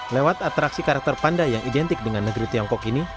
lewat atraksi karakter panda yang identik dengan negeri tiongkok ini